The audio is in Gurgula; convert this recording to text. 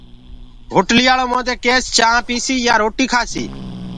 هوٽلَيآݪو مودي ڪيس چآنه پيسي يآنٚ روٽيٚ کآسيٚ